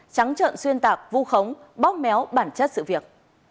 trắng trợn xuyên tạc vu khống bóp méo bản chất sự việc